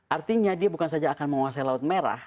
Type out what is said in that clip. artinya dia bukan saja akan menguasai laut merah